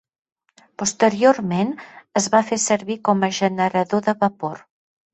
Posteriorment es va fer servir com a generador de vapor.